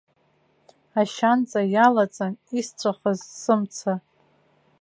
Ашьанҵа иалаҵан исҵәахыз сымца!